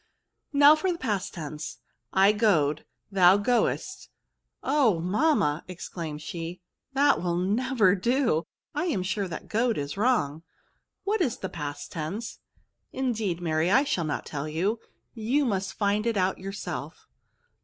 S36 VERBS. Now for the past tense. I goed, thou goedst — oh ! mamma/' exclaimed she, that will never do ! I am sure that goed is wrong ; what is the past tense?'' '* Indeed, Mary, I shall not tell you ; you must find it out yourself."